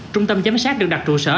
trung tâm giám sát được đặt trụ sở